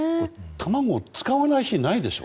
卵を使わない日ないでしょう？